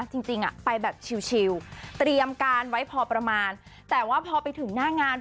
จริงไปแบบชิลเตรียมการไว้พอประมาณแต่ว่าพอไปถึงหน้างาน